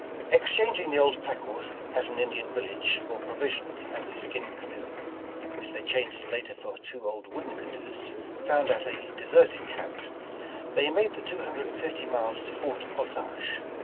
Exchanging the old pack horse at an Indian village for provisions and a skin canoe, which they changed later for two old wooden canoes found at a deserted camp, they made the two hundred and fifty miles to Fort Osage.